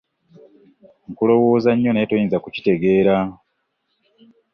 Nkulowooza nnyo naye toyinza kukitegeera.